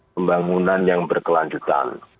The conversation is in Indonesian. pembangunan yang berkelanjutan